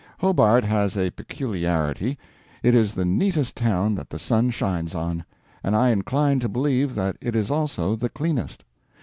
Hobart has a peculiarity it is the neatest town that the sun shines on; and I incline to believe that it is also the cleanest.